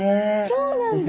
そうなんだ！